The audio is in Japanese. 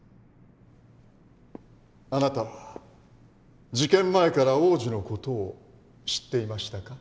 あなたは事件前から王子の事を知っていましたか？